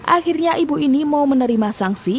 akhirnya ibu ini mau menerima sanksi